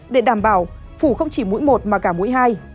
để đảm bảo phủ không chỉ mũi một mà cả mũi hai